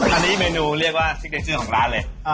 อันนี้เมนูเรียกว่าซิกเนเจอร์ของร้านเลย